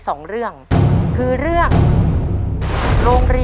ต้นไม้ประจำจังหวัดระยองการครับ